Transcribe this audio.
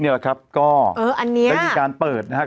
เนี่ยแหละครับก็เอออันนี้ได้มีการเปิดนะครับ